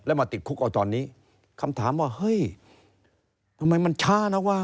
แล้วมาติดคุกเอาตอนนี้คำถามว่าเฮ้ยทำไมมันช้านะวะ